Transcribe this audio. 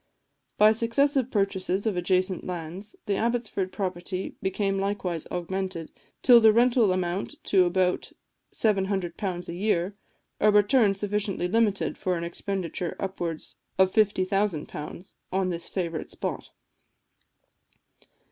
By successive purchases of adjacent lands, the Abbotsford property became likewise augmented, till the rental amounted to about £700 a year a return sufficiently limited for an expenditure of upwards of £50,000 on this favourite spot.